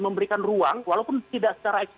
memberikan ruang walaupun tidak secara